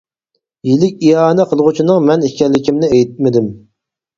يىلىك ئىئانە قىلغۇچىنىڭ مەن ئىكەنلىكىمنى ئېيتمىدىم.